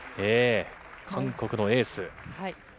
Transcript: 韓国のエース。